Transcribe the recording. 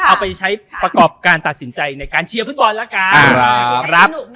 เอาไปใช้ประกอบการตัดสินใจในการเชียร์ฟุตบอลแล้วกัน